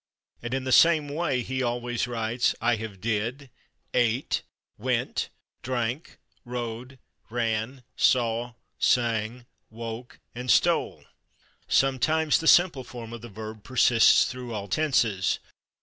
And in the same way he always writes, "I have /did/, /ate/, /went/, /drank/, /rode/, /ran/, /saw/, /sang/, /woke/ and /stole/." Sometimes the simple form of the verb persists through all tenses.